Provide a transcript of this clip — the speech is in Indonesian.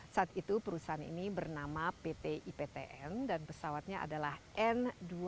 saat itu perusahaan ini bernama pt iptn dan pesawatnya adalah n dua ratus dua puluh